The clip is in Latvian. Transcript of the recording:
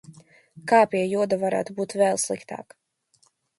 Kā, pie joda, varētu būt vēl sliktāk?